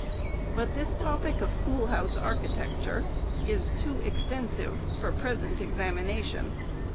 But this topic of schoolhouse archi tecture is too extensive for present examination.